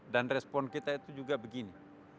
dan respon kita itu juga begini